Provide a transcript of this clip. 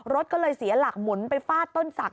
รถก็เลยเสียหลักหมุนไปฟาดต้นศักดิ